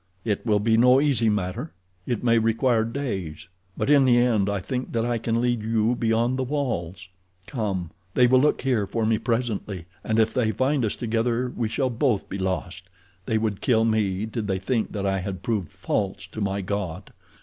It will be no easy matter—it may require days; but in the end I think that I can lead you beyond the walls. Come, they will look here for me presently, and if they find us together we shall both be lost—they would kill me did they think that I had proved false to my god."